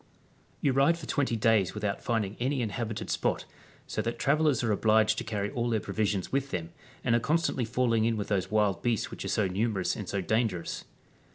^ You ride for 2,0 days without finding any inhabited spot, so that travellers are obliged to carry all their pro visions with them, and are constantly falling in with those wild beasts which are so numerous and so dangerous.